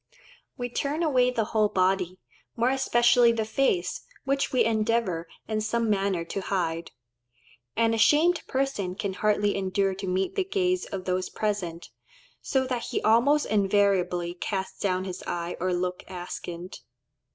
We turn away the whole body, more especially the face, which we endeavour in some manner to hide. An ashamed person can hardly endure to meet the gaze of those present, so that he almost invariably casts down his eyes or looks askant.